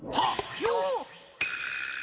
よっ！